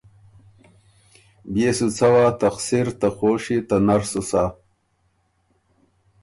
بيې سو څوا، ته خسِر ته خوشيې ته نر سُو سۀ۔